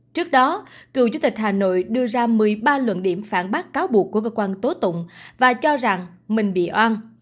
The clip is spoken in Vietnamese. trước đó cựu chủ tịch hà nội đưa ra một mươi ba luận điểm phản bác cáo buộc của cơ quan tố tụng và cho rằng mình bị oan